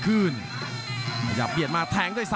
รับทราบบรรดาศักดิ์